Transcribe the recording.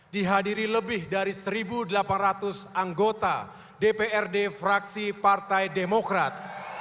dihadiri lebih dari satu delapan ratus anggota dprd fraksi partai demokrat